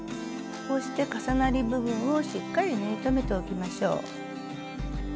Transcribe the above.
こうして重なり部分をしっかり縫い留めておきましょう。